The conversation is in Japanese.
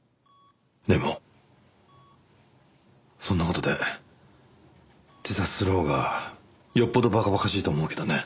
でもそんな事で自殺するほうがよっぽど馬鹿馬鹿しいと思うけどね。